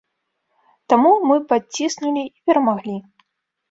Таму мы падціснулі і перамаглі.